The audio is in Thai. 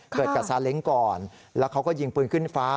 เกิดกับซาเล้งก่อนแล้วเขาก็ยิงปืนขึ้นฟ้า